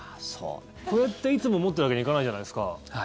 それっていつも持っているわけにいかないじゃないですか。